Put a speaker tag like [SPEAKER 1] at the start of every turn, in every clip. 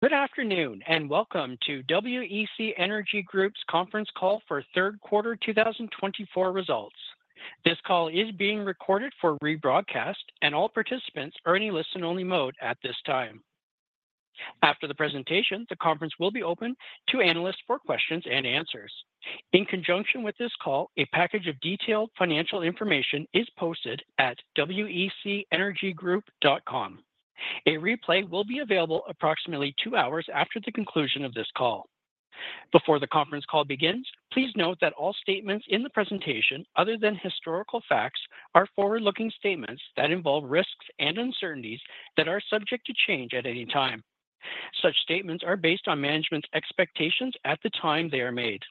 [SPEAKER 1] Good afternoon and welcome to WEC Energy Group's conference call for third quarter 2024 results. This call is being recorded for rebroadcast, and all participants are in a listen-only mode at this time. After the presentation, the conference will be open to analysts for questions and answers. In conjunction with this call, a package of detailed financial information is posted at wecenergygroup.com. A replay will be available approximately two hours after the conclusion of this call. Before the conference call begins, please note that all statements in the presentation, other than historical facts, are forward-looking statements that involve risks and uncertainties that are subject to change at any time. Such statements are based on management's expectations at the time they are made.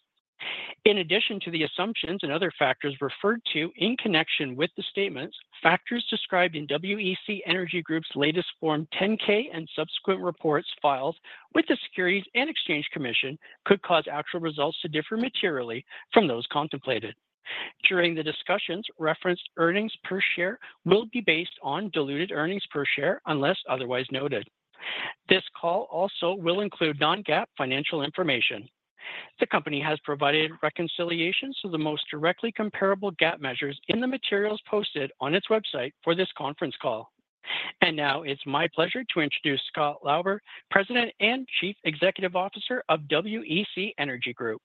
[SPEAKER 1] In addition to the assumptions and other factors referred to in connection with the statements, factors described in WEC Energy Group's latest Form 10-K and subsequent reports filed with the Securities and Exchange Commission could cause actual results to differ materially from those contemplated. During the discussions, referenced earnings per share will be based on diluted earnings per share unless otherwise noted. This call also will include non-GAAP financial information. The company has provided reconciliations to the most directly comparable GAAP measures in the materials posted on its website for this conference call. And now it's my pleasure to introduce Scott Lauber, President and Chief Executive Officer of WEC Energy Group.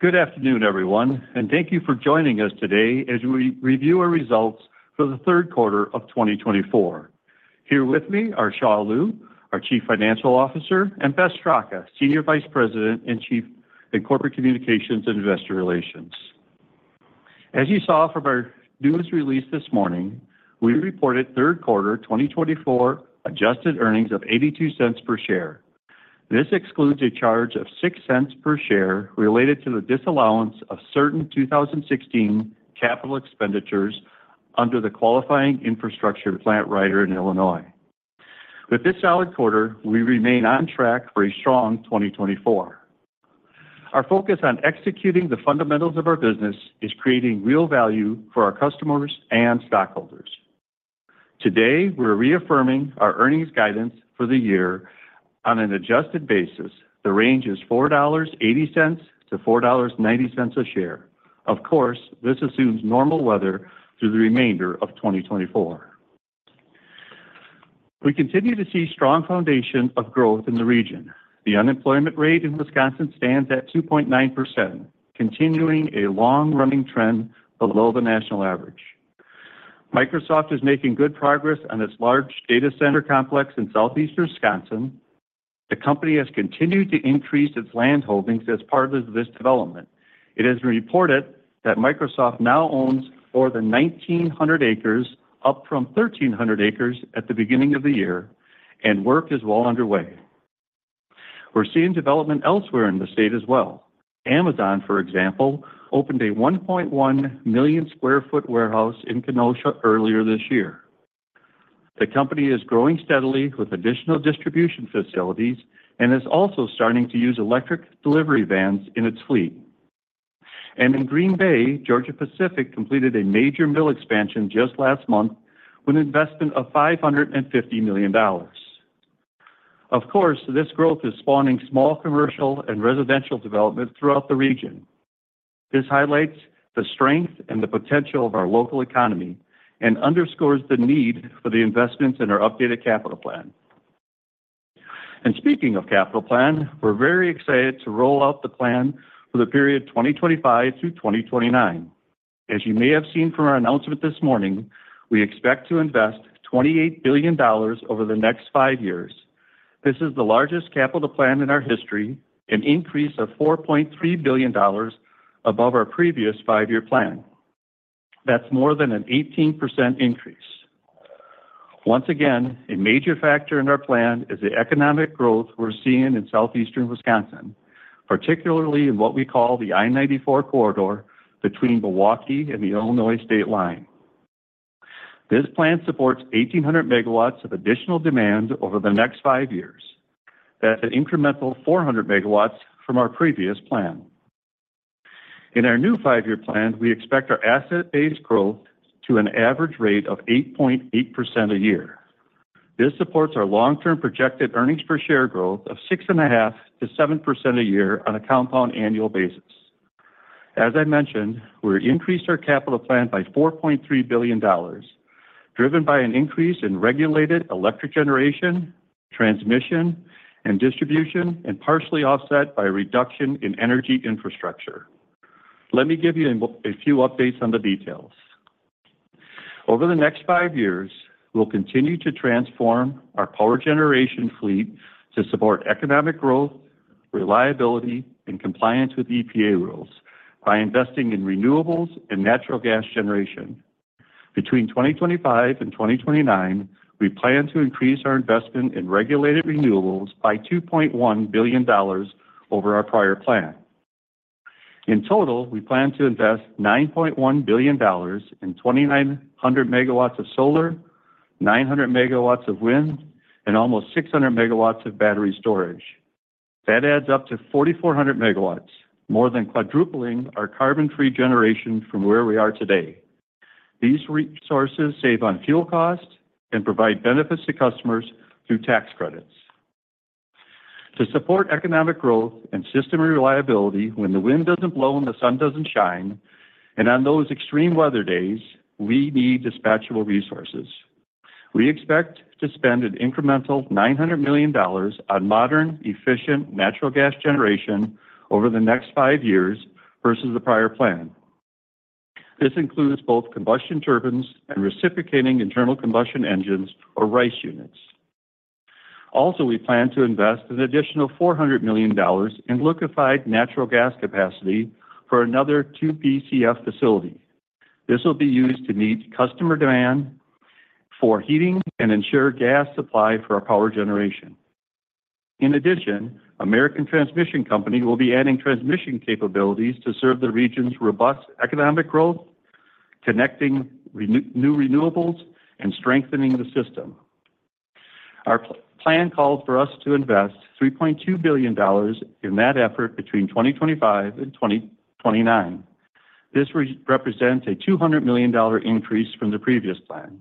[SPEAKER 2] Good afternoon, everyone, and thank you for joining us today as we review our results for the third quarter of 2024. Here with me are Xia Liu, our Chief Financial Officer, and Beth Straka, Senior Vice President and Chief of Corporate Communications and Investor Relations. As you saw from our news release this morning, we reported third quarter 2024 adjusted earnings of $0.82 per share. This excludes a charge of $0.06 per share related to the disallowance of certain 2016 capital expenditures under the Qualifying Infrastructure Plant rider in Illinois. With this solid quarter, we remain on track for a strong 2024. Our focus on executing the fundamentals of our business is creating real value for our customers and stockholders. Today, we're reaffirming our earnings guidance for the year on an adjusted basis. The range is $4.80-$4.90 a share. Of course, this assumes normal weather through the remainder of 2024. We continue to see a strong foundation of growth in the region. The unemployment rate in Wisconsin stands at 2.9%, continuing a long-running trend below the national average. Microsoft is making good progress on its large data center complex in southeastern Wisconsin. The company has continued to increase its land holdings as part of this development. It has been reported that Microsoft now owns more than 1,900 acres, up from 1,300 acres at the beginning of the year, and work is well underway. We're seeing development elsewhere in the state as well. Amazon, for example, opened a 1.1 million sq ft warehouse in Kenosha earlier this year. The company is growing steadily with additional distribution facilities and is also starting to use electric delivery vans in its fleet. In Green Bay, Georgia-Pacific completed a major mill expansion just last month with an investment of $550 million. Of course, this growth is spawning small commercial and residential development throughout the region. This highlights the strength and the potential of our local economy and underscores the need for the investments in our updated capital plan. Speaking of capital plan, we're very excited to roll out the plan for the period 2025 through 2029. As you may have seen from our announcement this morning, we expect to invest $28 billion over the next five years. This is the largest capital plan in our history, an increase of $4.3 billion above our previous five-year plan. That's more than an 18% increase. Once again, a major factor in our plan is the economic growth we're seeing in Southeastern Wisconsin, particularly in what we call the I-94 Corridor between Milwaukee and the Illinois state line. This plan supports 1,800 megawatts of additional demand over the next five years. That's an incremental 400 megawatts from our previous plan. In our new five-year plan, we expect our asset-based growth to an average rate of 8.8% a year. This supports our long-term projected earnings per share growth of 6.5%-7% a year on a compound annual basis. As I mentioned, we increased our capital plan by $4.3 billion, driven by an increase in regulated electric generation, transmission, and distribution, and partially offset by a reduction in energy infrastructure. Let me give you a few updates on the details. Over the next five years, we'll continue to transform our power generation fleet to support economic growth, reliability, and compliance with EPA rules by investing in renewables and natural gas generation. Between 2025 and 2029, we plan to increase our investment in regulated renewables by $2.1 billion over our prior plan. In total, we plan to invest $9.1 billion in 2,900 megawatts of solar, 900 megawatts of wind, and almost 600 megawatts of battery storage. That adds up to 4,400 megawatts, more than quadrupling our carbon-free generation from where we are today. These resources save on fuel costs and provide benefits to customers through tax credits. To support economic growth and system reliability when the wind doesn't blow and the sun doesn't shine, and on those extreme weather days, we need dispatchable resources. We expect to spend an incremental $900 million on modern, efficient natural gas generation over the next five years versus the prior plan. This includes both combustion turbines and reciprocating internal combustion engines or RICE units. Also, we plan to invest an additional $400 million in liquefied natural gas capacity for another two Bcf facility. This will be used to meet customer demand for heating and ensure gas supply for our power generation. In addition, American Transmission Company will be adding transmission capabilities to serve the region's robust economic growth, connecting new renewables and strengthening the system. Our plan calls for us to invest $3.2 billion in that effort between 2025 and 2029. This represents a $200 million increase from the previous plan,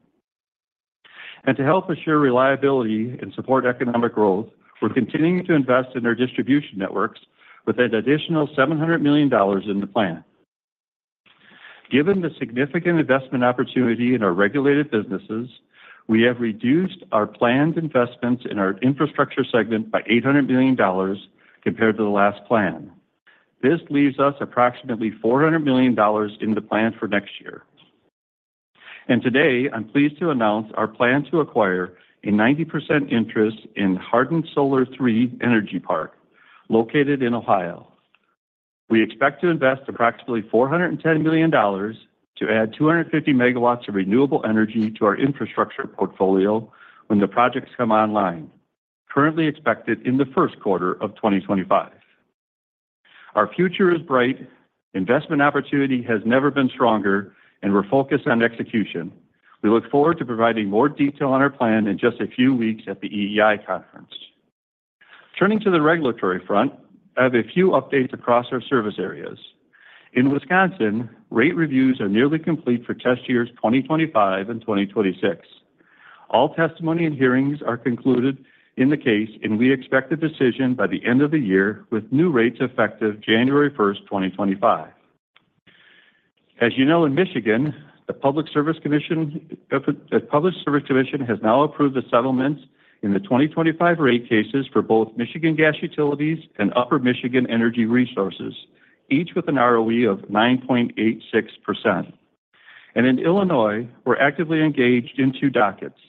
[SPEAKER 2] and to help assure reliability and support economic growth, we're continuing to invest in our distribution networks with an additional $700 million in the plan. Given the significant investment opportunity in our regulated businesses, we have reduced our planned investments in our infrastructure segment by $800 million compared to the last plan. This leaves us approximately $400 million in the plan for next year. And today, I'm pleased to announce our plan to acquire a 90% interest in Hardin Solar 3 Energy Park, located in Ohio. We expect to invest approximately $410 million to add 250 megawatts of renewable energy to our infrastructure portfolio when the projects come online, currently expected in the first quarter of 2025. Our future is bright. Investment opportunity has never been stronger, and we're focused on execution. We look forward to providing more detail on our plan in just a few weeks at the EEI Conference. Turning to the regulatory front, I have a few updates across our service areas. In Wisconsin, rate reviews are nearly complete for test years 2025 and 2026. All testimony and hearings are concluded in the case, and we expect the decision by the end of the year with new rates effective January 1st, 2025. As you know, in Michigan, the Public Service Commission has now approved the settlements in the 2025 rate cases for both Michigan Gas Utilities and Upper Michigan Energy Resources, each with an ROE of 9.86%, and in Illinois, we're actively engaged in two dockets.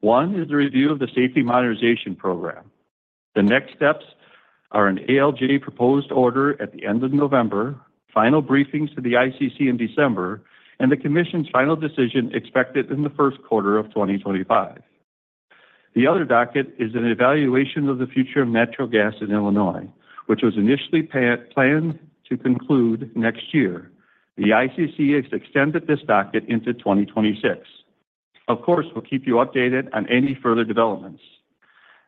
[SPEAKER 2] One is the review of the System Modernization Program. The next steps are an ALJ proposed order at the end of November, final briefings to the ICC in December, and the Commission's final decision expected in the first quarter of 2025. The other docket is an evaluation of the future of natural gas in Illinois, which was initially planned to conclude next year. The ICC has extended this docket into 2026. Of course, we'll keep you updated on any further developments.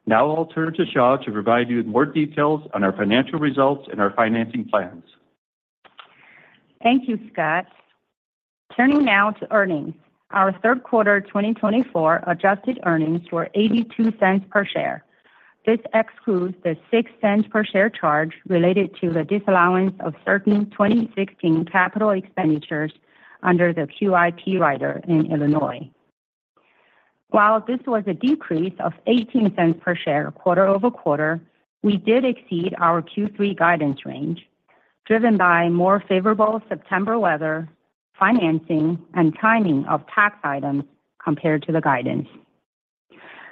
[SPEAKER 2] Now I'll turn to Xia to provide you with more details on our financial results and our financing plans.
[SPEAKER 3] Thank you, Scott. Turning now to earnings, our third quarter 2024 adjusted earnings were $0.82 per share. This excludes the $0.06 per share charge related to the disallowance of certain 2016 capital expenditures under the QIP rider in Illinois. While this was a decrease of $0.18 per share quarter over quarter, we did exceed our Q3 guidance range, driven by more favorable September weather, financing, and timing of tax items compared to the guidance.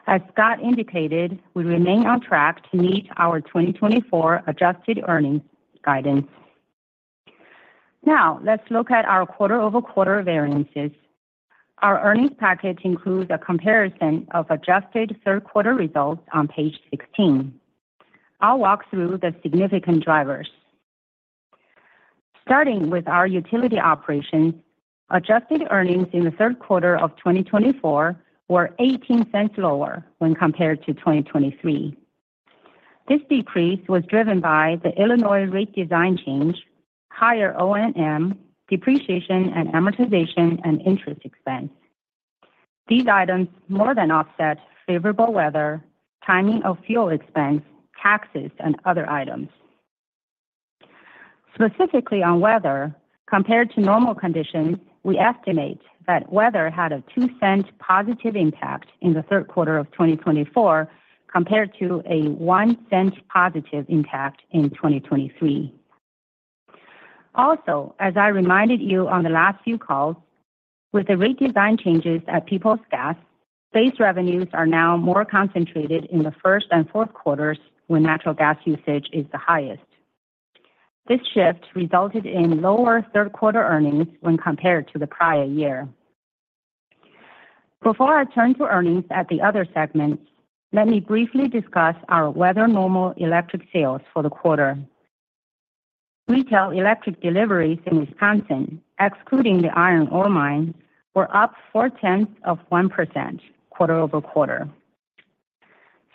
[SPEAKER 3] As Scott indicated, we remain on track to meet our 2024 adjusted earnings guidance. Now let's look at our quarter-over-quarter variances. Our earnings package includes a comparison of adjusted third-quarter results on page 16. I'll walk through the significant drivers. Starting with our utility operations, adjusted earnings in the third quarter of 2024 were $0.18 lower when compared to 2023. This decrease was driven by the Illinois rate design change, higher O&M, depreciation, and amortization and interest expense. These items more than offset favorable weather, timing of fuel expense, taxes, and other items. Specifically on weather, compared to normal conditions, we estimate that weather had a $0.02 positive impact in the third quarter of 2024 compared to a $0.01 positive impact in 2023. Also, as I reminded you on the last few calls, with the rate design changes at Peoples Gas, base revenues are now more concentrated in the first and fourth quarters when natural gas usage is the highest. This shift resulted in lower third-quarter earnings when compared to the prior year. Before I turn to earnings at the other segments, let me briefly discuss our weather-normal electric sales for the quarter. Retail electric deliveries in Wisconsin, excluding the iron ore mines, were up 0.4% quarter over quarter.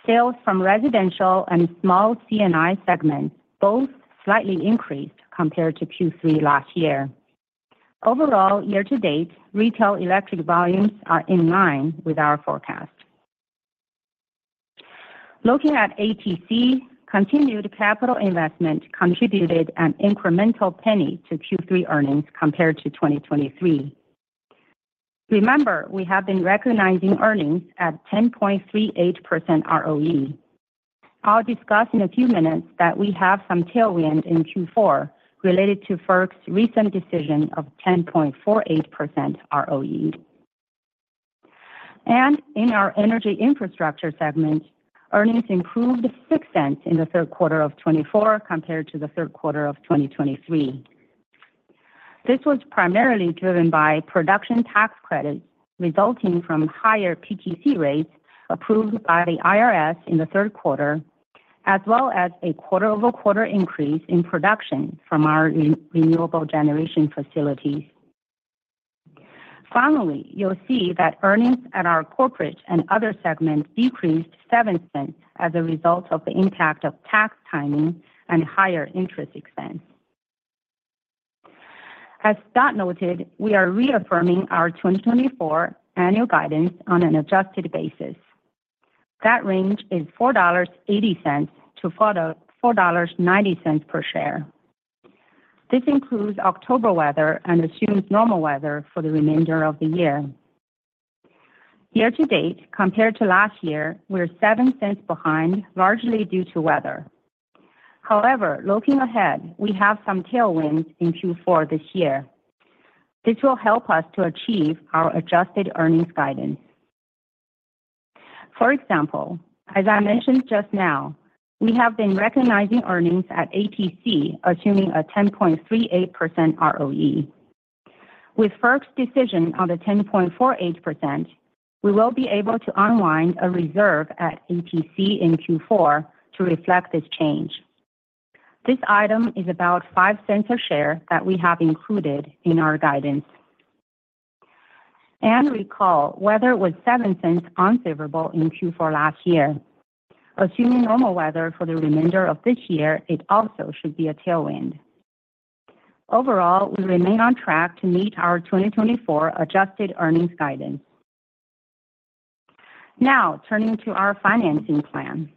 [SPEAKER 3] Sales from residential and small C&I segments both slightly increased compared to Q3 last year. Overall, year-to-date, retail electric volumes are in line with our forecast. Looking at ATC, continued capital investment contributed an incremental penny to Q3 earnings compared to 2023. Remember, we have been recognizing earnings at 10.38% ROE. I'll discuss in a few minutes that we have some tailwind in Q4 related to FERC's recent decision of 10.48% ROE. And in our energy infrastructure segment, earnings improved $0.06 in the third quarter of 2024 compared to the third quarter of 2023. This was primarily driven by production tax credits resulting from higher PTC rates approved by the IRS in the third quarter, as well as a quarter-over-quarter increase in production from our renewable generation facilities. Finally, you'll see that earnings at our corporate and other segments decreased $0.07 as a result of the impact of tax timing and higher interest expense. As Scott noted, we are reaffirming our 2024 annual guidance on an adjusted basis. That range is $4.80 to $4.90 per share. This includes October weather and assumes normal weather for the remainder of the year. Year-to-date, compared to last year, we're $0.07 behind, largely due to weather. However, looking ahead, we have some tailwinds in Q4 this year. This will help us to achieve our adjusted earnings guidance. For example, as I mentioned just now, we have been recognizing earnings at ATC, assuming a 10.38% ROE. With FERC's decision on the 10.48%, we will be able to unwind a reserve at ATC in Q4 to reflect this change. This item is about $0.05 per share that we have included in our guidance. Recall, weather was $0.07 unfavorable in Q4 last year. Assuming normal weather for the remainder of this year, it also should be a tailwind. Overall, we remain on track to meet our 2024 adjusted earnings guidance. Now turning to our financing plan.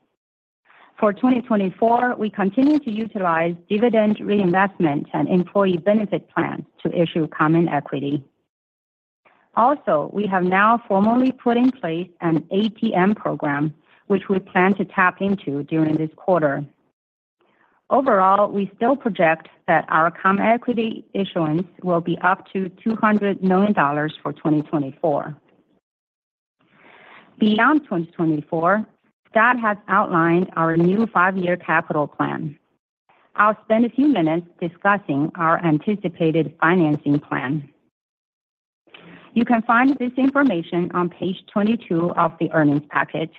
[SPEAKER 3] For 2024, we continue to utilize dividend reinvestment and employee benefit plans to issue common equity. Also, we have now formally put in place an ATM program, which we plan to tap into during this quarter. Overall, we still project that our common equity issuance will be up to $200 million for 2024. Beyond 2024, Scott has outlined our new five-year capital plan. I'll spend a few minutes discussing our anticipated financing plan. You can find this information on page 22 of the earnings package.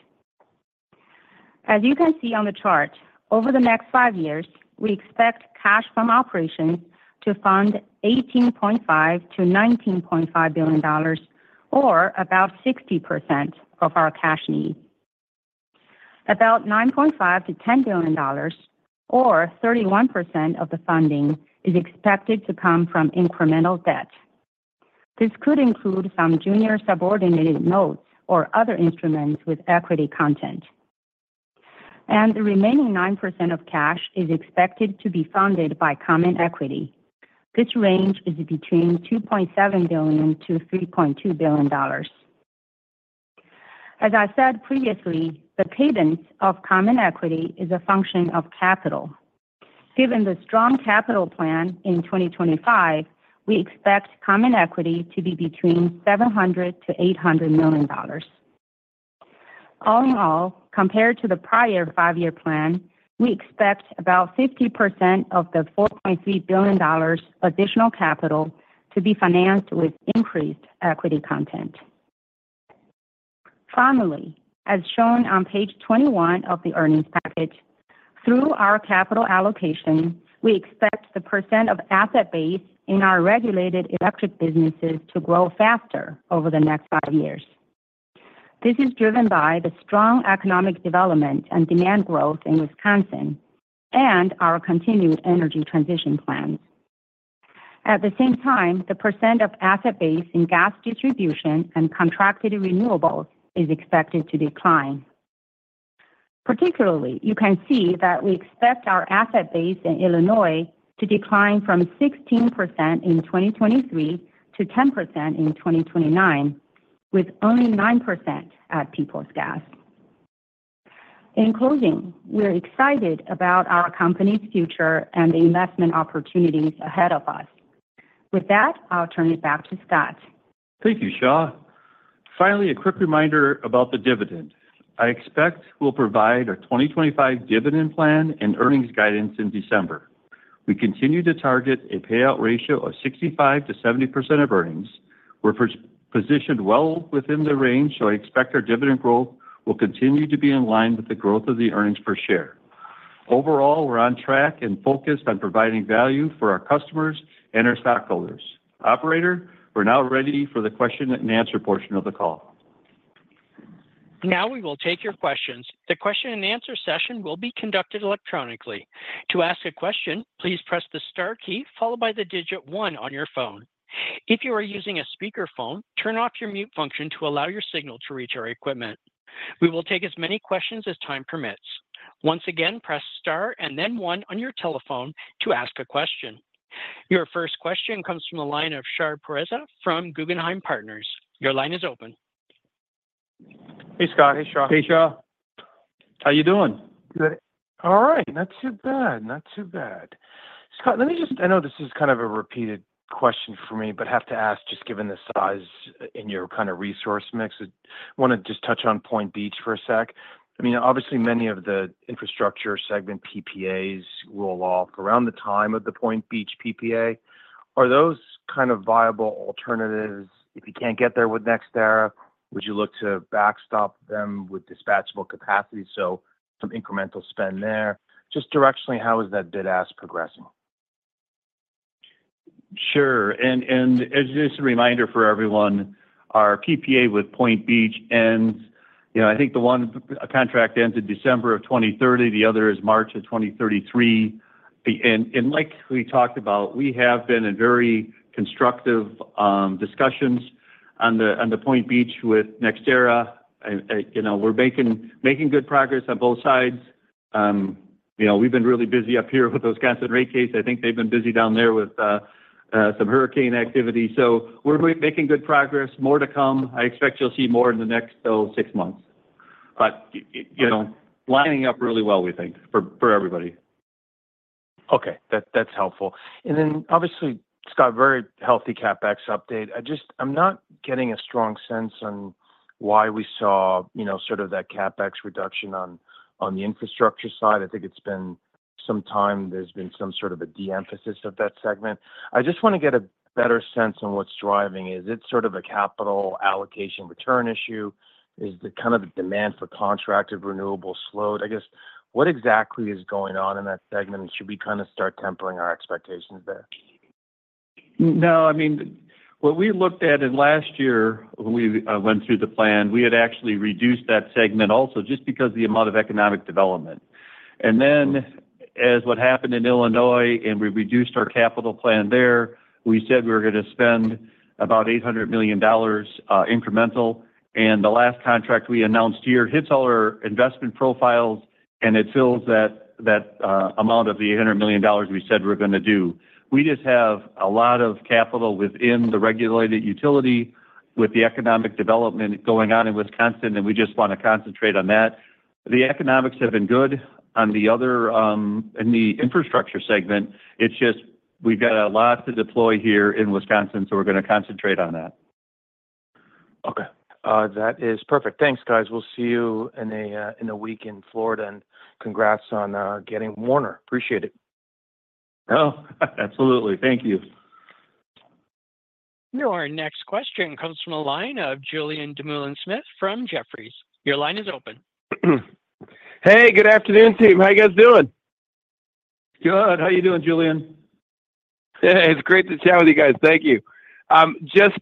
[SPEAKER 3] As you can see on the chart, over the next five years, we expect cash from operations to fund $18.5-$19.5 billion, or about 60% of our cash need. About $9.5-$10 billion, or 31% of the funding, is expected to come from incremental debt. This could include some junior subordinated notes or other instruments with equity content. And the remaining 9% of cash is expected to be funded by common equity. This range is between $2.7-$3.2 billion. As I said previously, the cadence of common equity is a function of capital. Given the strong capital plan in 2025, we expect common equity to be between $700-$800 million. All in all, compared to the prior five-year plan, we expect about 50% of the $4.3 billion additional capital to be financed with increased equity content. Finally, as shown on page 21 of the earnings package, through our capital allocation, we expect the percent of asset base in our regulated electric businesses to grow faster over the next five years. This is driven by the strong economic development and demand growth in Wisconsin and our continued energy transition plans. At the same time, the percent of asset base in gas distribution and contracted renewables is expected to decline. Particularly, you can see that we expect our asset base in Illinois to decline from 16% in 2023 to 10% in 2029, with only 9% at Peoples Gas. In closing, we're excited about our company's future and the investment opportunities ahead of us. With that, I'll turn it back to Scott.
[SPEAKER 4] Thank you, Xia Liu. Finally, a quick reminder about the dividend. I expect we'll provide our 2025 dividend plan and earnings guidance in December. We continue to target a payout ratio of 65%-70% of earnings. We're positioned well within the range, so I expect our dividend growth will continue to be in line with the growth of the earnings per share. Overall, we're on track and focused on providing value for our customers and our stockholders. Operator, we're now ready for the question and answer portion of the call.
[SPEAKER 1] Now we will take your questions. The question and answer session will be conducted electronically. To ask a question, please press the star key followed by the digit one on your phone. If you are using a speakerphone, turn off your mute function to allow your signal to reach our equipment. We will take as many questions as time permits. Once again, press star and then one on your telephone to ask a question. Your first question comes from the line of Shahriar Pourreza from Guggenheim Partners. Your line is open.
[SPEAKER 4] Hey, Scott. Hey, Shaw.
[SPEAKER 2] Hey, Shaw.
[SPEAKER 4] How you doing?
[SPEAKER 2] Good.
[SPEAKER 4] All right. Not too bad. Not too bad. Scott, let me just, I know this is kind of a repeated question for me, but I have to ask just given the size in your kind of resource mix. I want to just touch on Point Beach for a sec. I mean, obviously, many of the infrastructure segment PPAs roll off around the time of the Point Beach PPA. Are those kind of viable alternatives? If you can't get there with NextEra, would you look to backstop them with dispatchable capacity, so some incremental spend there? Just directionally, how is that bid-ask progressing?
[SPEAKER 2] Sure. And as just a reminder for everyone, our PPA with Point Beach ends, I think the contract ends in December of 2030. The other is March of 2033. And like we talked about, we have been in very constructive discussions on the Point Beach with NextEra. We're making good progress on both sides. We've been really busy up here with those gas and rate cases. I think they've been busy down there with some hurricane activity. So we're making good progress. More to come. I expect you'll see more in the next six months. But lining up really well, we think, for everybody.
[SPEAKER 4] Okay. That's helpful, and then, obviously, Scott, very healthy CapEx update. I'm not getting a strong sense on why we saw sort of that CapEx reduction on the infrastructure side. I think it's been some time. There's been some sort of a de-emphasis of that segment. I just want to get a better sense on what's driving. Is it sort of a capital allocation return issue? Is the kind of demand for contracted renewables slowed? I guess, what exactly is going on in that segment, and should we kind of start tempering our expectations there?
[SPEAKER 2] No. I mean, what we looked at in last year, when we went through the plan, we had actually reduced that segment also just because of the amount of economic development. And then, as what happened in Illinois, and we reduced our capital plan there, we said we were going to spend about $800 million incremental. And the last contract we announced here hits all our investment profiles, and it fills that amount of the $800 million we said we're going to do. We just have a lot of capital within the regulated utility with the economic development going on in Wisconsin, and we just want to concentrate on that. The economics have been good on the other, in the infrastructure segment. It's just we've got a lot to deploy here in Wisconsin, so we're going to concentrate on that.
[SPEAKER 4] Okay. That is perfect. Thanks, guys. We'll see you in a week in Florida. And congrats on getting Warner. Appreciate it.
[SPEAKER 2] Oh, absolutely. Thank you.
[SPEAKER 1] Our next question comes from the line of Julien Dumoulin-Smith from Jefferies. Your line is open.
[SPEAKER 5] Hey, good afternoon, team. How you guys doing?
[SPEAKER 2] Good. How you doing, Julian?
[SPEAKER 5] It's great to chat with you guys. Thank you. Just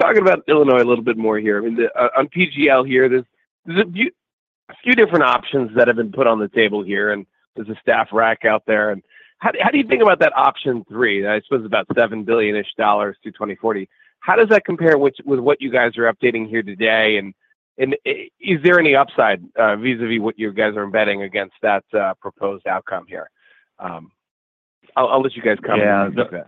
[SPEAKER 5] talking about Illinois a little bit more here. I mean, on PGL here, there's a few different options that have been put on the table here, and there's a staff rec out there. And how do you think about that option three, I suppose, about $7 billion-ish through 2040? How does that compare with what you guys are updating here today? And is there any upside vis-à-vis what you guys are embedding against that proposed outcome here? I'll let you guys comment on that.
[SPEAKER 2] Yeah.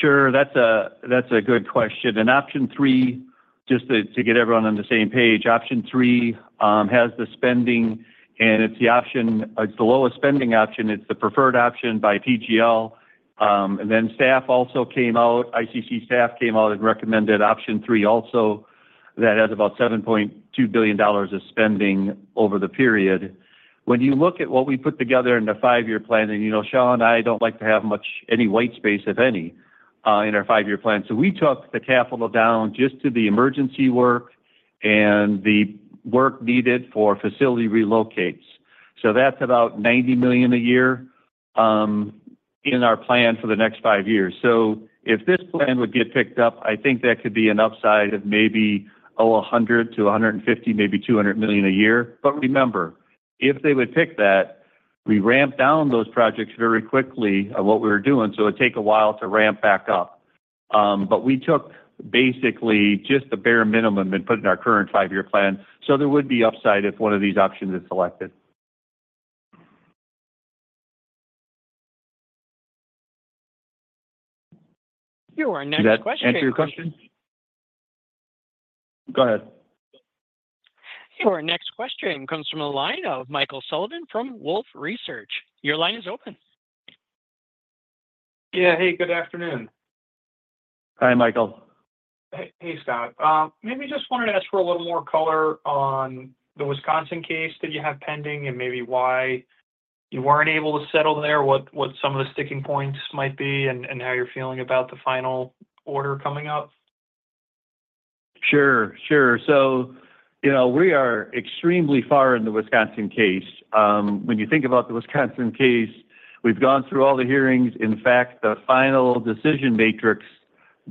[SPEAKER 2] Sure. That's a good question. And option three, just to get everyone on the same page, option three has the spending, and it's the option, it's the lowest spending option. It's the preferred option by PGL. And then staff also came out, ICC staff came out and recommended option three also. That has about $7.2 billion of spending over the period. When you look at what we put together in the five-year plan, and Xia and I don't like to have much, any white space, if any, in our five-year plan. So we took the capital down just to the emergency work and the work needed for facility relocates. So that's about $90 million a year in our plan for the next five years. So if this plan would get picked up, I think that could be an upside of maybe $100 to $150, maybe $200 million a year. But remember, if they would pick that, we ramped down those projects very quickly on what we were doing, so it would take a while to ramp back up. But we took basically just the bare minimum and put in our current five-year plan. So there would be upside if one of these options is selected.
[SPEAKER 1] Your next question.
[SPEAKER 2] Did that answer your question? Go ahead.
[SPEAKER 1] Your next question comes from the line of Michael Sullivan from Wolfe Research. Your line is open.
[SPEAKER 6] Yeah. Hey, good afternoon.
[SPEAKER 2] Hi, Michael.
[SPEAKER 6] Hey, Scott. Maybe just wanted to ask for a little more color on the Wisconsin case that you have pending and maybe why you weren't able to settle there, what some of the sticking points might be, and how you're feeling about the final order coming up?
[SPEAKER 2] Sure. Sure. So we are extremely far in the Wisconsin case. When you think about the Wisconsin case, we've gone through all the hearings. In fact, the final decision matrix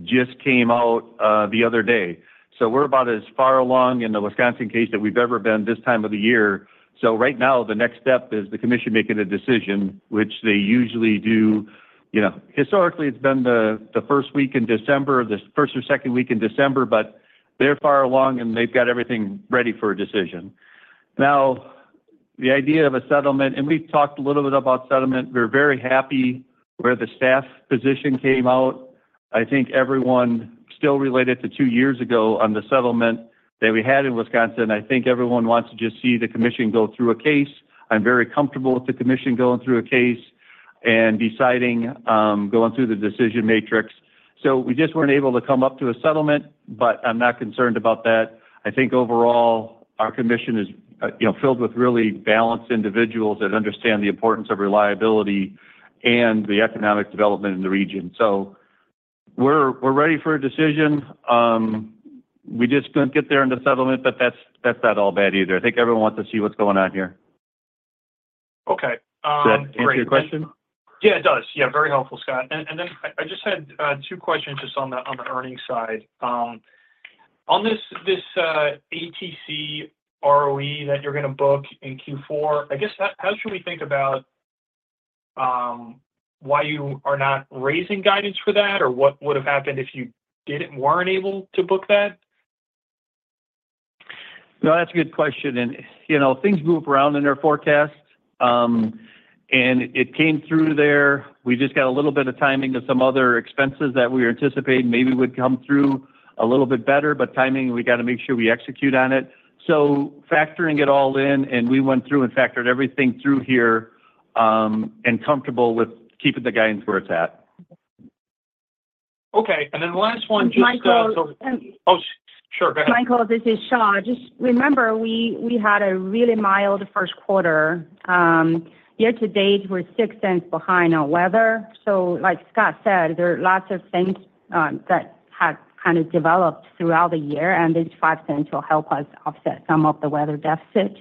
[SPEAKER 2] just came out the other day. So we're about as far along in the Wisconsin case that we've ever been this time of the year. So right now, the next step is the commission making a decision, which they usually do. Historically, it's been the first week in December, the first or second week in December, but they're far along, and they've got everything ready for a decision. Now, the idea of a settlement, and we've talked a little bit about settlement. We're very happy where the staff position came out. I think everyone still related to two years ago on the settlement that we had in Wisconsin. I think everyone wants to just see the commission go through a case. I'm very comfortable with the commission going through a case and deciding, going through the decision matrix. So we just weren't able to come up to a settlement, but I'm not concerned about that. I think overall, our commission is filled with really balanced individuals that understand the importance of reliability and the economic development in the region. So we're ready for a decision. We just couldn't get there in the settlement, but that's not all bad either. I think everyone wants to see what's going on here.
[SPEAKER 6] Okay.
[SPEAKER 2] Does that answer your question?
[SPEAKER 6] Yeah, it does. Yeah. Very helpful, Scott. And then I just had two questions just on the earnings side. On this ATC ROE that you're going to book in Q4, I guess, how should we think about why you are not raising guidance for that, or what would have happened if you weren't able to book that?
[SPEAKER 2] No, that's a good question, and things move around in our forecast, and it came through there. We just got a little bit of timing of some other expenses that we anticipated maybe would come through a little bit better, but timing, we got to make sure we execute on it, so factoring it all in, and we went through and factored everything through here and comfortable with keeping the guidance where it's at.
[SPEAKER 6] Okay. And then last one, just.
[SPEAKER 3] Michael.
[SPEAKER 6] Oh, sure. Go ahead.
[SPEAKER 3] Michael, this is Shaw. Just remember, we had a really mild first quarter. Yet today, we're $0.06 behind on weather. So like Scott said, there are lots of things that have kind of developed throughout the year, and this $0.05 will help us offset some of the weather deficit.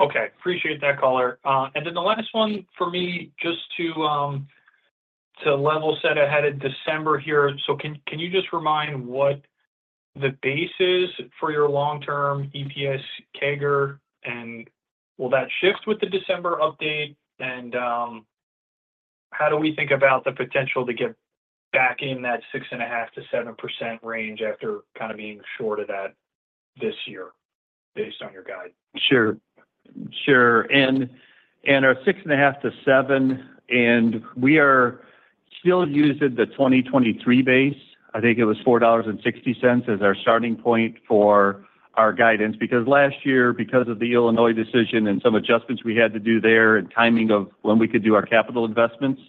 [SPEAKER 6] Okay. Appreciate that, Caller. And then the last one for me, just to level set ahead of December here. So can you just remind what the base is for your long-term EPS CAGR, and will that shift with the December update? And how do we think about the potential to get back in that 6.5%-7% range after kind of being short of that this year based on your guide?
[SPEAKER 2] Sure. Sure. And our 6.5-7, and we are still using the 2023 base. I think it was $4.60 as our starting point for our guidance because last year, because of the Illinois decision and some adjustments we had to do there and timing of when we could do our capital investments.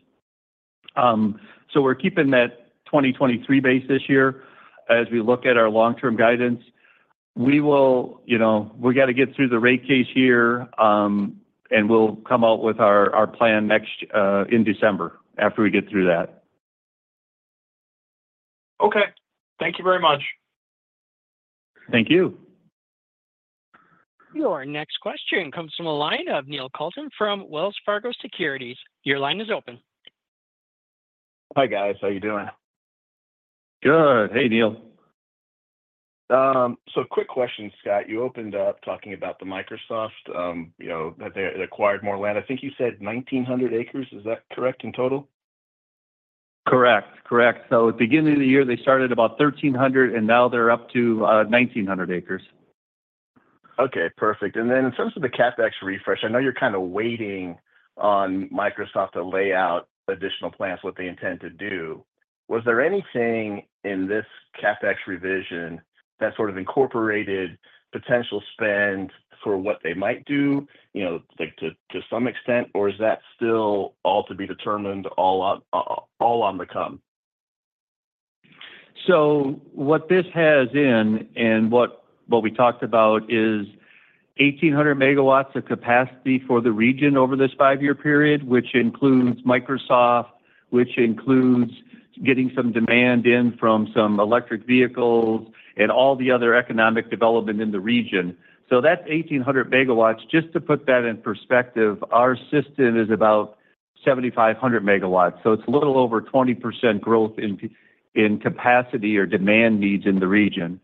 [SPEAKER 2] So we're keeping that 2023 base this year as we look at our long-term guidance. We got to get through the rate case here, and we'll come out with our plan in December after we get through that.
[SPEAKER 6] Okay. Thank you very much.
[SPEAKER 2] Thank you.
[SPEAKER 1] Your next question comes from a line of Neil Kalton from Wells Fargo Securities. Your line is open.
[SPEAKER 2] Hi, guys. How you doing?
[SPEAKER 5] Good. Hey, Neil.
[SPEAKER 2] So quick question, Scott. You opened up talking about the Microsoft that they acquired more land. I think you said 1,900 acres. Is that correct in total?
[SPEAKER 5] Correct. Correct. So at the beginning of the year, they started about 1,300, and now they're up to 1,900 acres.
[SPEAKER 2] Okay. Perfect. And then in terms of the CapEx refresh, I know you're kind of waiting on Microsoft to lay out additional plans, what they intend to do. Was there anything in this CapEx revision that sort of incorporated potential spend for what they might do to some extent, or is that still all to be determined, all on the come? So what this has in and what we talked about is 1,800 megawatts of capacity for the region over this five-year period, which includes Microsoft, which includes getting some demand in from some electric vehicles and all the other economic development in the region. So that's 1,800 megawatts. Just to put that in perspective, our system is about 7,500 megawatts. So it's a little over 20% growth in capacity or demand needs in the region.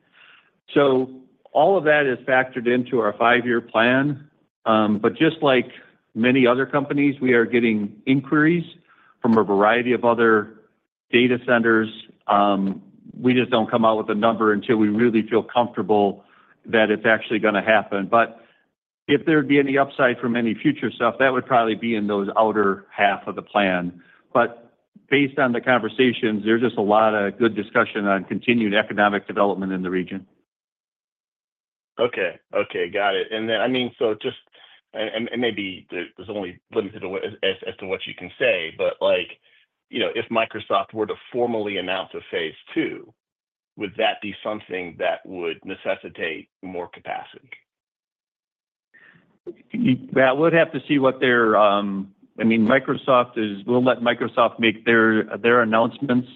[SPEAKER 2] So all of that is factored into our five-year plan. But just like many other companies, we are getting inquiries from a variety of other data centers. We just don't come out with a number until we really feel comfortable that it's actually going to happen. But if there'd be any upside from any future stuff, that would probably be in those latter half of the plan. But based on the conversations, there's just a lot of good discussion on continued economic development in the region.
[SPEAKER 6] Okay. Okay. Got it. And then, I mean, so just, and maybe there's only limited as to what you can say, but if Microsoft were to formally announce a phase two, would that be something that would necessitate more capacity?
[SPEAKER 2] We'll have to see what they, I mean, Microsoft is. We'll let Microsoft make their announcements.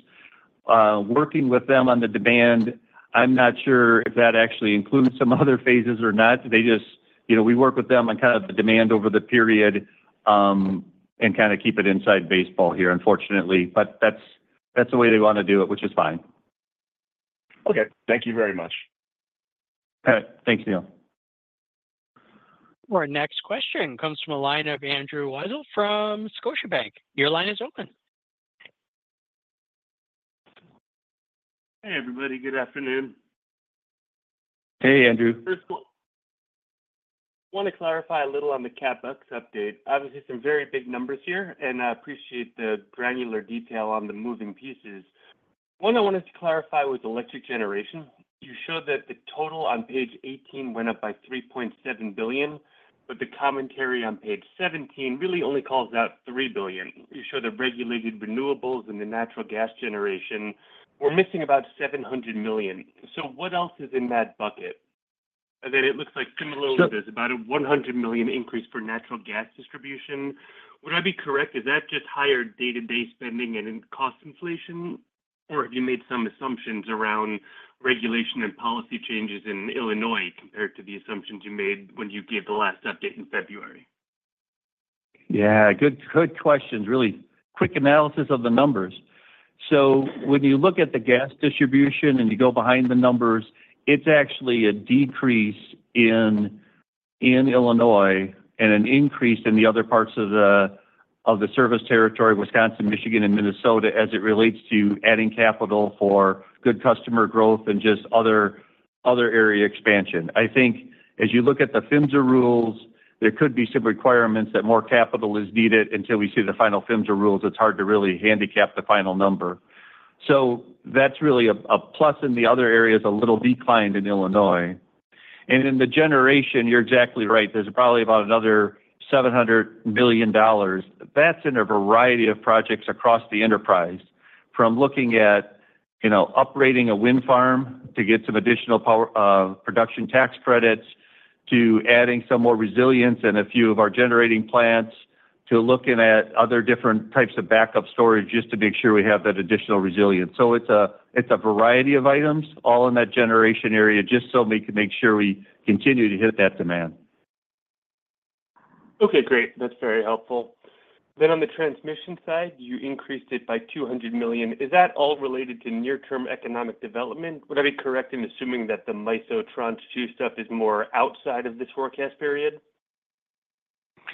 [SPEAKER 2] Working with them on the demand, I'm not sure if that actually includes some other phases or not. We work with them on kind of the demand over the period and kind of keep it inside baseball here, unfortunately. But that's the way they want to do it, which is fine.
[SPEAKER 7] Okay. Thank you very much.
[SPEAKER 2] All right. Thanks, Neil.
[SPEAKER 1] Our next question comes from a line of Andrew Weisel from Scotiabank. Your line is open.
[SPEAKER 2] Hey, everybody. Good afternoon.
[SPEAKER 5] Hey, Andrew.
[SPEAKER 6] First, I want to clarify a little on the CapEx update. Obviously, some very big numbers here, and I appreciate the granular detail on the moving pieces. One I wanted to clarify was electric generation. You showed that the total on page 18 went up by $3.7 billion, but the commentary on page 17 really only calls out $3 billion. You show the regulated renewables and the natural gas generation. We're missing about $700 million. So what else is in that bucket? And then it looks like similarly, there's about a $100 million increase for natural gas distribution. Would I be correct? Is that just higher day-to-day spending and cost inflation, or have you made some assumptions around regulation and policy changes in Illinois compared to the assumptions you made when you gave the last update in February?
[SPEAKER 2] Yeah. Good questions. Really quick analysis of the numbers. So when you look at the gas distribution and you go behind the numbers, it's actually a decrease in Illinois and an increase in the other parts of the service territory, Wisconsin, Michigan, and Minnesota, as it relates to adding capital for good customer growth and just other area expansion. I think as you look at the PHMSA rules, there could be some requirements that more capital is needed until we see the final PHMSA rules. It's hard to really handicap the final number. So that's really a plus in the other areas, a little decline in Illinois. And in the generation, you're exactly right. There's probably about another $700 million. That's in a variety of projects across the enterprise, from looking at upgrading a wind farm to get some additional production tax credits to adding some more resilience in a few of our generating plants to looking at other different types of backup storage just to make sure we have that additional resilience. So it's a variety of items all in that generation area just so we can make sure we continue to hit that demand.
[SPEAKER 6] Okay. Great. That's very helpful. Then on the transmission side, you increased it by $200 million. Is that all related to near-term economic development? Would I be correct in assuming that the MISO Tranche 2 stuff is more outside of this forecast period?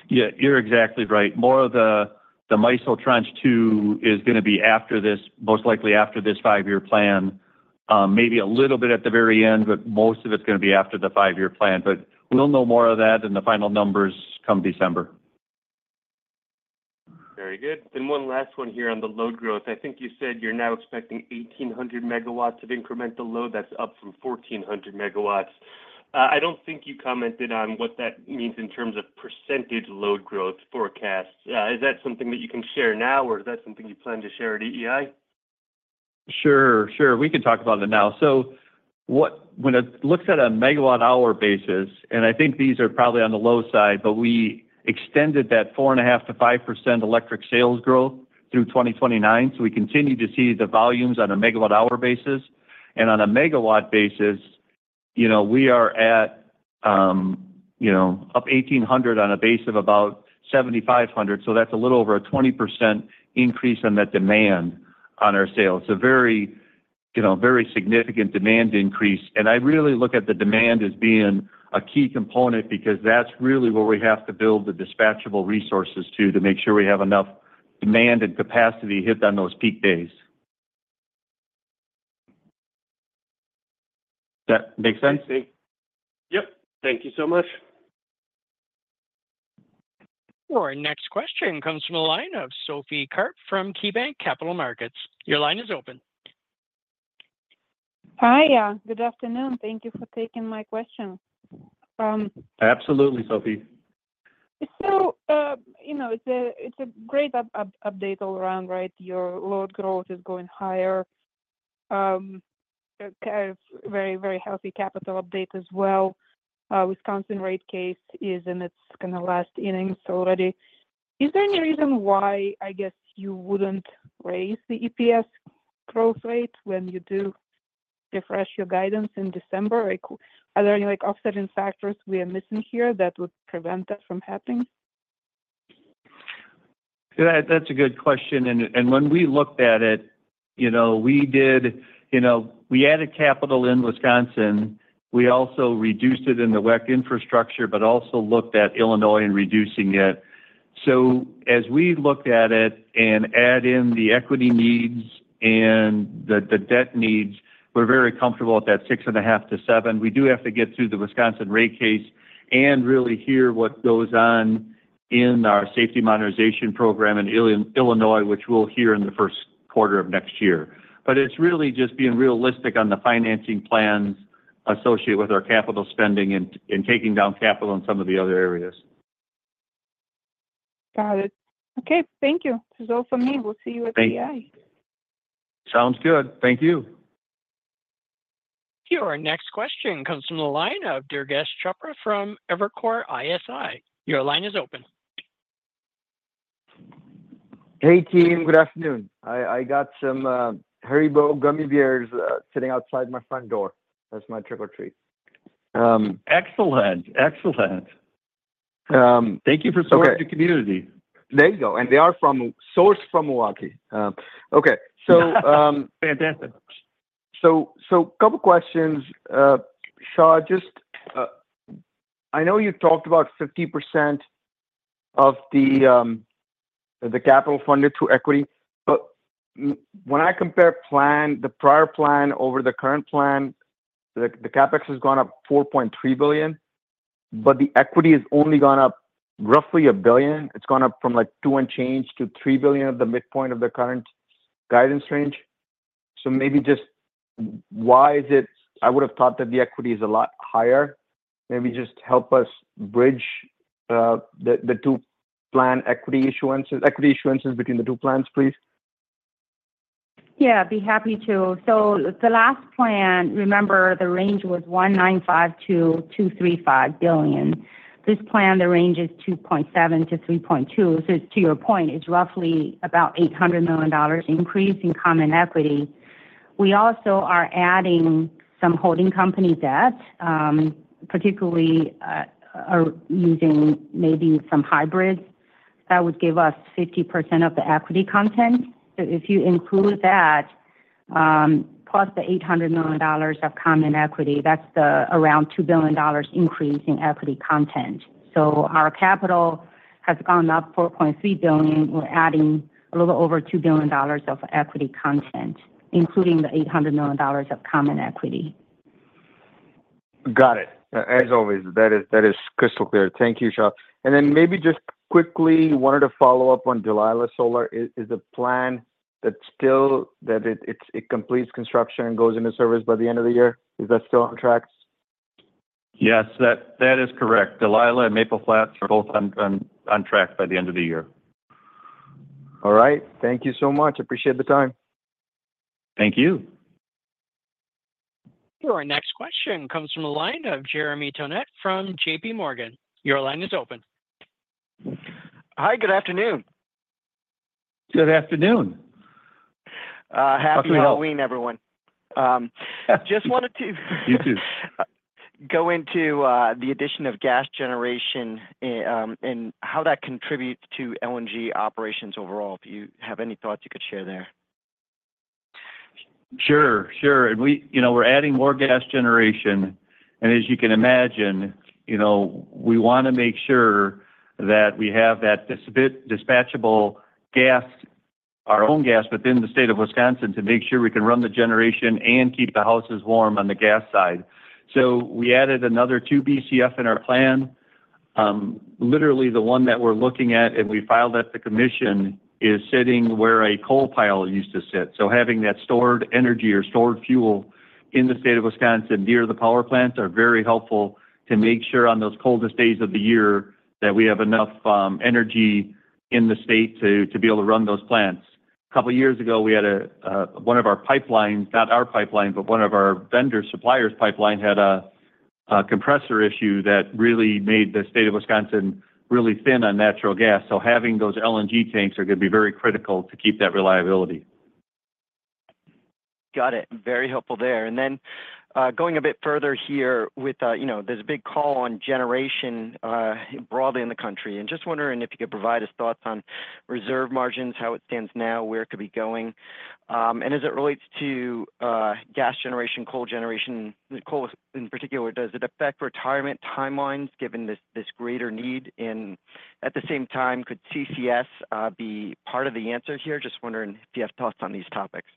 [SPEAKER 2] Yeah. You're exactly right. More of the MISO Tranche 2 is going to be after this, most likely after this five-year plan, maybe a little bit at the very end, but most of it's going to be after the five-year plan. But we'll know more of that in the final numbers come December.
[SPEAKER 6] Very good. Then one last one here on the load growth. I think you said you're now expecting 1,800 megawatts of incremental load. That's up from 1,400 megawatts. I don't think you commented on what that means in terms of percentage load growth forecast. Is that something that you can share now, or is that something you plan to share at EEI?
[SPEAKER 2] Sure. Sure. We can talk about it now. So when it looks at a megawatt-hour basis, and I think these are probably on the low side, but we extended that 4.5%-5% electric sales growth through 2029. So we continue to see the volumes on a megawatt-hour basis. And on a megawatt basis, we are at up 1,800 on a base of about 7,500. So that's a little over a 20% increase in that demand on our sales. It's a very significant demand increase. And I really look at the demand as being a key component because that's really where we have to build the dispatchable resources to make sure we have enough demand and capacity hit on those peak days. Does that make sense?
[SPEAKER 6] Yes, it does. Yep. Thank you so much.
[SPEAKER 1] Your next question comes from a line of Sophie Karp from KeyBanc Capital Markets. Your line is open.
[SPEAKER 8] Hi. Good afternoon. Thank you for taking my question.
[SPEAKER 2] Absolutely, Sophie.
[SPEAKER 9] So it's a great update all around, right? Your load growth is going higher. Very, very healthy capital update as well. Wisconsin rate case is in its kind of last innings already. Is there any reason why I guess you wouldn't raise the EPS growth rate when you do refresh your guidance in December? Are there any offsetting factors we are missing here that would prevent that from happening?
[SPEAKER 2] That's a good question, and when we looked at it, we did. We added capital in Wisconsin. We also reduced it in the WEC Infrastructure, but also looked at Illinois and reducing it, so as we looked at it and added in the equity needs and the debt needs, we're very comfortable at that 6.5-7. We do have to get through the Wisconsin rate case and really hear what goes on in our Safety Modernization Program in Illinois, which we'll hear in the first quarter of next year, but it's really just being realistic on the financing plans associated with our capital spending and taking down capital in some of the other areas.
[SPEAKER 9] Got it. Okay. Thank you. So for me, we'll see you at EEI.
[SPEAKER 2] Sounds good. Thank you.
[SPEAKER 1] Your next question comes from the line of Durgesh Chopra from Evercore ISI. Your line is open.
[SPEAKER 2] Hey, team. Good afternoon. I got some Haribo gummy bears sitting outside my front door. That's my trick or treat.
[SPEAKER 6] Excellent. Excellent.
[SPEAKER 2] Thank you for supporting the community.
[SPEAKER 6] There you go, and they are sourced from Milwaukee. Okay. So.
[SPEAKER 2] Fantastic.
[SPEAKER 6] So a couple of questions. Shaw, just I know you talked about 50% of the capital funded through equity. But when I compare the prior plan over the current plan, the CapEx has gone up $4.3 billion, but the equity has only gone up roughly $1 billion. It's gone up from like $2 billion and change to $3 billion at the midpoint of the current guidance range. So maybe just why is it I would have thought that the equity is a lot higher. Maybe just help us bridge the two plan equity issuances between the two plans, please.
[SPEAKER 3] Yeah. I'd be happy to. So the last plan, remember the range was $195-235 billion. This plan, the range is $2.7-3.2. So to your point, it's roughly about $800 million increase in common equity. We also are adding some holding company debt, particularly using maybe some hybrids that would give us 50% of the equity content. So if you include that plus the $800 million of common equity, that's around $2 billion increase in equity content. So our capital has gone up $4.3 billion. We're adding a little over $2 billion of equity content, including the $800 million of common equity.
[SPEAKER 6] Got it. As always, that is crystal clear. Thank you, Shaw. And then maybe just quickly, wanted to follow up on Delilah Solar. Is the plan that it completes construction and goes into service by the end of the year? Is that still on track?
[SPEAKER 2] Yes. That is correct. Delilah and Maple Flats are both on track by the end of the year.
[SPEAKER 6] All right. Thank you so much. Appreciate the time.
[SPEAKER 2] Thank you.
[SPEAKER 1] Your next question comes from a line of Jeremy Tonet from J.P. Morgan. Your line is open.
[SPEAKER 6] Hi. Good afternoon.
[SPEAKER 2] Good afternoon.
[SPEAKER 6] Happy Halloween, everyone. Just wanted to.
[SPEAKER 2] You too.
[SPEAKER 6] Go into the addition of gas generation and how that contributes to LNG operations overall, if you have any thoughts you could share there.
[SPEAKER 2] Sure. Sure. We're adding more gas generation. And as you can imagine, we want to make sure that we have that dispatchable gas, our own gas within the state of Wisconsin, to make sure we can run the generation and keep the houses warm on the gas side. So we added another two BCF in our plan. Literally, the one that we're looking at and we filed at the commission is sitting where a coal pile used to sit. So having that stored energy or stored fuel in the state of Wisconsin near the power plants are very helpful to make sure on those coldest days of the year that we have enough energy in the state to be able to run those plants. A couple of years ago, we had one of our pipelines, not our pipeline, but one of our vendor suppliers' pipeline had a compressor issue that really made the state of Wisconsin really thin on natural gas. So having those LNG tanks are going to be very critical to keep that reliability.
[SPEAKER 6] Got it. Very helpful there. And then going a bit further here with there's a big call on generation broadly in the country. And just wondering if you could provide us thoughts on reserve margins, how it stands now, where it could be going. And as it relates to gas generation, coal generation, coal in particular, does it affect retirement timelines given this greater need? And at the same time, could CCS be part of the answer here? Just wondering if you have thoughts on these topics.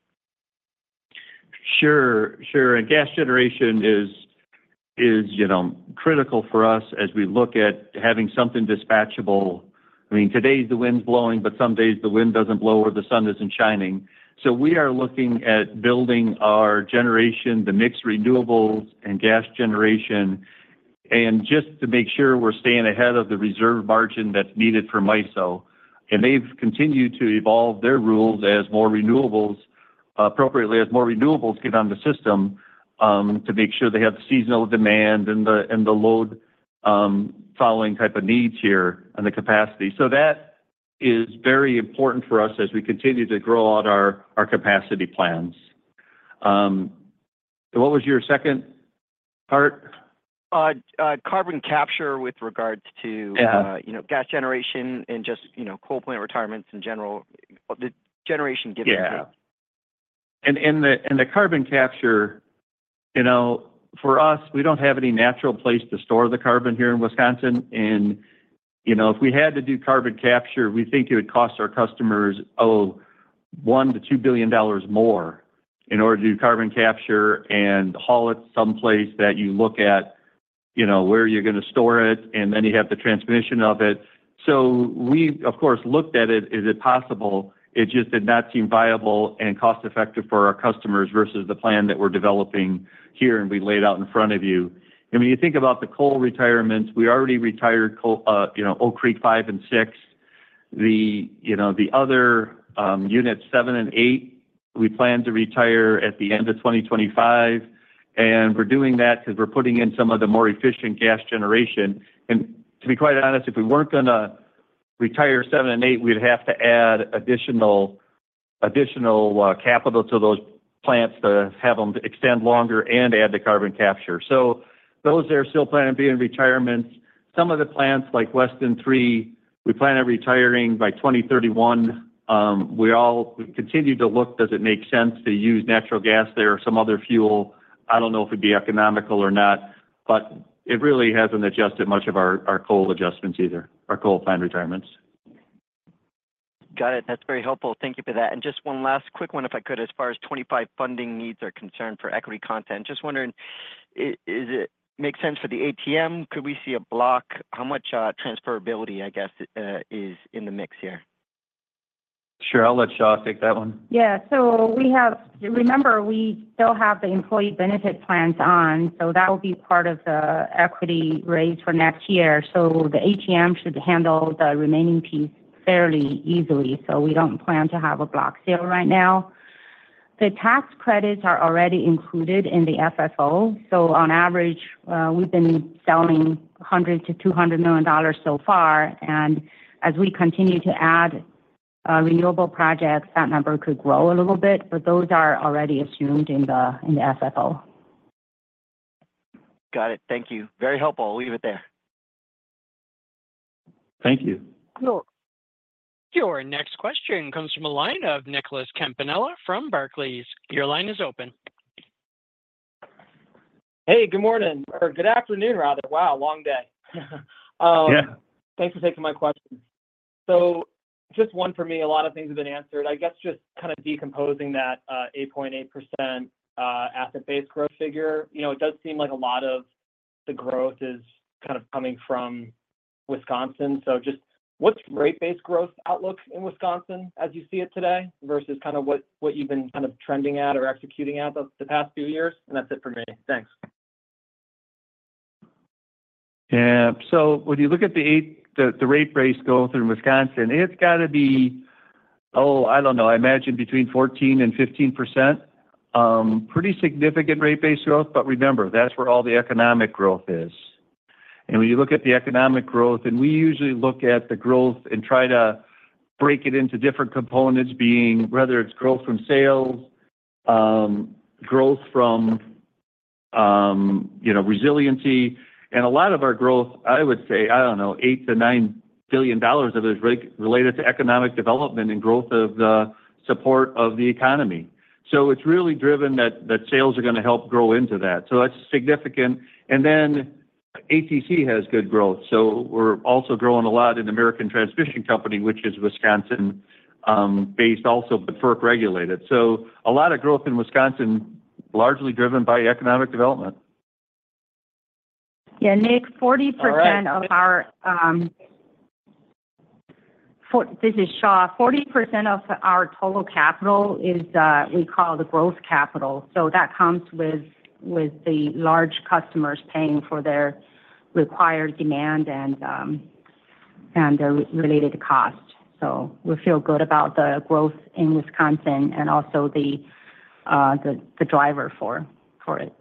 [SPEAKER 2] Sure. Sure. And gas generation is critical for us as we look at having something dispatchable. I mean, today the wind's blowing, but some days the wind doesn't blow or the sun isn't shining. So we are looking at building our generation, the mixed renewables and gas generation, and just to make sure we're staying ahead of the reserve margin that's needed for MISO. And they've continued to evolve their rules appropriately as more renewables get on the system to make sure they have the seasonal demand and the load-following type of needs here and the capacity. So that is very important for us as we continue to grow out our capacity plans. What was your second part?
[SPEAKER 6] Carbon capture with regards to gas generation and just coal plant retirements in general, the generation given to.
[SPEAKER 2] Yeah, and the carbon capture, for us, we don't have any natural place to store the carbon here in Wisconsin. And if we had to do carbon capture, we think it would cost our customers $1-$2 billion more in order to do carbon capture and haul it someplace that you look at where you're going to store it, and then you have the transmission of it, so we, of course, looked at it. Is it possible? It just did not seem viable and cost-effective for our customers versus the plan that we're developing here and we laid out in front of you. And when you think about the coal retirements, we already retired Oak Creek 5 and 6. The other units, 7 and 8, we plan to retire at the end of 2025. We're doing that because we're putting in some of the more efficient gas generation. To be quite honest, if we weren't going to retire 7 and 8, we'd have to add additional capital to those plants to have them extend longer and add the carbon capture. So those are still planned to be in retirements. Some of the plants like Weston 3, we plan on retiring by 2031. We continue to look, does it make sense to use natural gas there or some other fuel? I don't know if it'd be economical or not, but it really hasn't adjusted much of our coal adjustments either, our coal plant retirements.
[SPEAKER 6] Got it. That's very helpful. Thank you for that. And just one last quick one, if I could, as far as 2025 funding needs are concerned for equity content. Just wondering, does it make sense for the ATM? Could we see a block? How much transferability, I guess, is in the mix here?
[SPEAKER 2] Sure. I'll let Shaw take that one.
[SPEAKER 8] Yeah. So remember, we still have the employee benefit plans on. So that will be part of the equity raise for next year. So the ATM should handle the remaining piece fairly easily. So we don't plan to have a block sale right now. The tax credits are already included in the FFO. So on average, we've been selling $100 million-$200 million so far. And as we continue to add renewable projects, that number could grow a little bit, but those are already assumed in the FFO.
[SPEAKER 6] Got it. Thank you. Very helpful. I'll leave it there.
[SPEAKER 2] Thank you.
[SPEAKER 1] Your next question comes from a line of Nicholas Campanella from Barclays. Your line is open.
[SPEAKER 6] Hey, good morning. Or good afternoon, rather. Wow, long day.
[SPEAKER 2] Yeah.
[SPEAKER 6] Thanks for taking my question. So just one for me. A lot of things have been answered. I guess just kind of decomposing that 8.8% asset-based growth figure. It does seem like a lot of the growth is kind of coming from Wisconsin. So just what's rate-based growth outlook in Wisconsin as you see it today versus kind of what you've been kind of trending at or executing at the past few years? And that's it for me. Thanks.
[SPEAKER 2] Yeah. So when you look at the rate-based growth in Wisconsin, it's got to be, oh, I don't know, I imagine between 14% and 15%. Pretty significant rate-based growth, but remember, that's where all the economic growth is. And when you look at the economic growth, and we usually look at the growth and try to break it into different components, whether it's growth from sales, growth from resiliency. And a lot of our growth, I would say, I don't know, $8 billion-$9 billion of it is related to economic development and growth of the support of the economy. So it's really driven that sales are going to help grow into that. So that's significant. And then ATC has good growth. So we're also growing a lot in American Transmission Company, which is Wisconsin-based also, but FERC-regulated. So a lot of growth in Wisconsin, largely driven by economic development.
[SPEAKER 8] Yeah. Nick, 40% of our - this is Shaw. 40% of our total capital is we call the growth capital. So that comes with the large customers paying for their required demand and the related cost. So we feel good about the growth in Wisconsin and also the driver for it.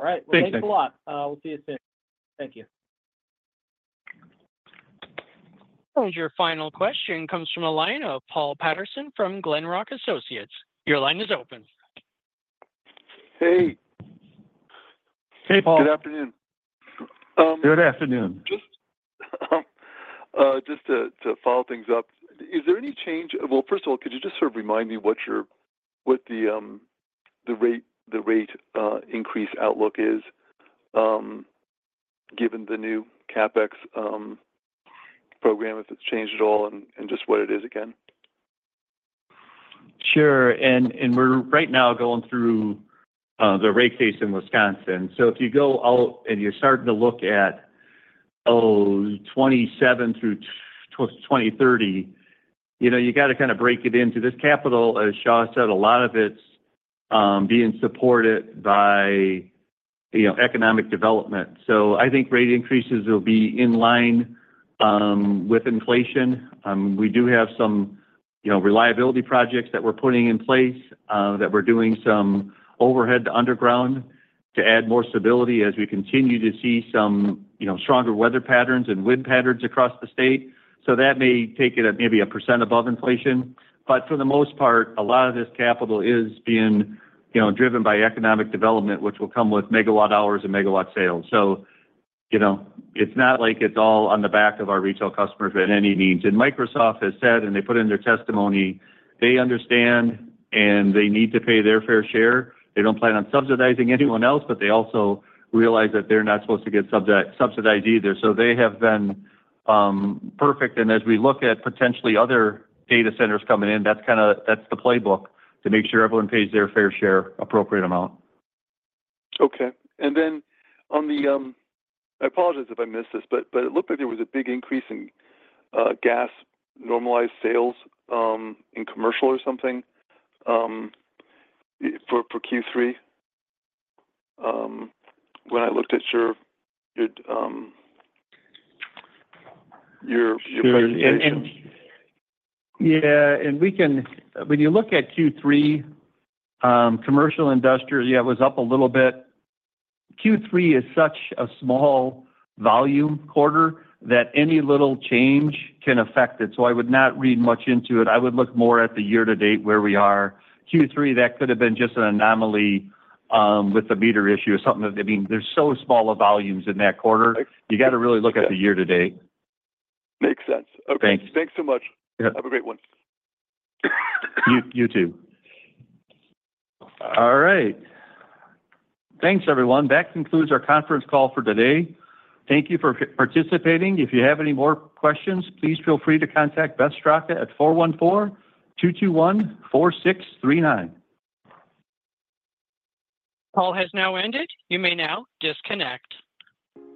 [SPEAKER 6] All right. Well, thanks a lot. We'll see you soon. Thank you.
[SPEAKER 1] Your final question comes from a line of Paul Patterson from Glenrock Associates. Your line is open.
[SPEAKER 10] Hey.
[SPEAKER 2] Hey, Paul.
[SPEAKER 10] Good afternoon.
[SPEAKER 2] Good afternoon.
[SPEAKER 10] Just to follow things up, is there any change? Well, first of all, could you just sort of remind me what the rate increase outlook is given the new CapEx program, if it's changed at all, and just what it is again?
[SPEAKER 2] Sure. And we're right now going through the rate case in Wisconsin. So if you go out and you're starting to look at 2027 through 2030, you got to kind of break it into this capital. As Shaw said, a lot of it's being supported by economic development. So I think rate increases will be in line with inflation. We do have some reliability projects that we're putting in place, that we're doing some overhead to underground to add more stability as we continue to see some stronger weather patterns and wind patterns across the state. So that may take it at maybe 1% above inflation. But for the most part, a lot of this capital is being driven by economic development, which will come with megawatt hours and megawatt sales. So it's not like it's all on the back of our retail customers by any means. And Microsoft has said, and they put in their testimony, they understand and they need to pay their fair share. They don't plan on subsidizing anyone else, but they also realize that they're not supposed to get subsidized either. So they have been perfect. And as we look at potentially other data centers coming in, that's the playbook to make sure everyone pays their fair share appropriate amount.
[SPEAKER 10] Okay. And then on the, I apologize if I missed this, but it looked like there was a big increase in gas normalized sales in commercial or something for Q3 when I looked at your.
[SPEAKER 2] Sure. And.
[SPEAKER 10] Yeah. And when you look at Q3, commercial industries, yeah, it was up a little bit. Q3 is such a small volume quarter that any little change can affect it. So I would not read much into it. I would look more at the year-to-date where we are. Q3, that could have been just an anomaly with the meter issue or something. I mean, there's such small volumes in that quarter. You got to really look at the year-to-date. Makes sense. Okay.
[SPEAKER 2] Thanks.
[SPEAKER 10] Thanks so much. Have a great one.
[SPEAKER 2] You too. All right. Thanks, everyone. That concludes our conference call for today. Thank you for participating. If you have any more questions, please feel free to contact Beth Straka at 414-221-4639.
[SPEAKER 1] Call has now ended. You may now disconnect.